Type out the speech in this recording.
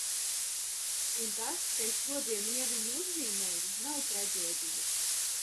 Un tas, ka es šodien Ieviņu uzzīmēju nav traģēdija.